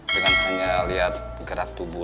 dengan hanya lihat gerak tubuh